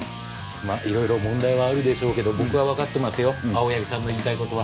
まっいろいろ問題はあるでしょうけど僕はわかってますよ青柳さんの言いたい事は。